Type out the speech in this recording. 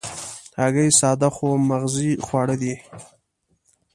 هګۍ ساده خو مغذي خواړه دي.